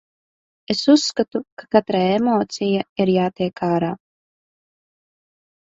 Es uzskatu, ka katrai emocija ir jātiek ārā.